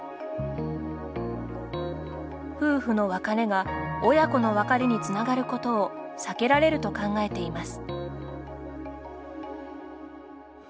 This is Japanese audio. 夫婦の別れが親子の別れにつながることを避けられると考えています。